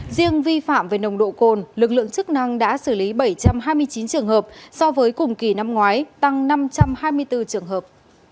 riêng vi phạm về nồng độ cồn lực lượng chức năng đã xử lý bảy trăm hai mươi chín trường hợp so với cùng kỳ năm ngoái tăng năm trăm hai mươi bốn trường hợp